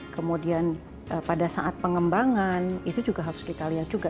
kemudian pada saat pengembangan itu juga harus kita lihat juga